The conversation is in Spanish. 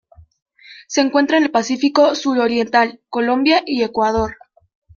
Se encuentra en el Pacífico suroriental: Colombia y Ecuador.